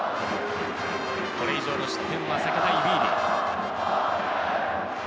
これ以上の失点は避けたいビーディ。